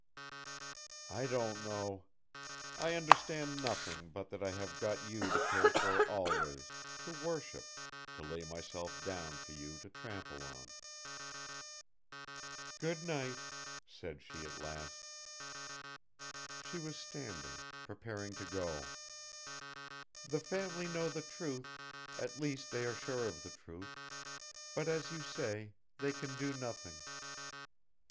"I don't know. I understand nothing but that I have got you to care for always, to worship, to lay myself down for you to trample on." "Good night," said she at last. She was standing, preparing to go. "The family know the truth, at least they are sure of the truth, but, as you say, they can do nothing.